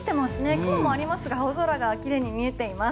雲もありますが青空が奇麗に見えています。